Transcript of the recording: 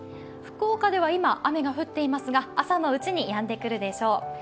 福岡では今、雨が降っていますが朝のうちにやんでくるでしょう。